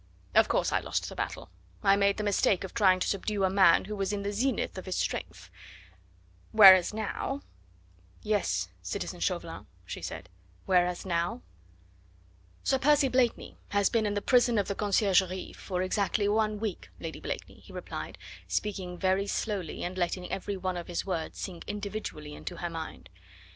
Of course I lost the battle. I made the mistake of trying to subdue a man who was in the zenith of his strength, whereas now " "Yes, citizen Chauvelin," she said, "whereas now " "Sir Percy Blakeney has been in the prison of the Conciergerie for exactly one week, Lady Blakeney," he replied, speaking very slowly, and letting every one of his words sink individually into her mind.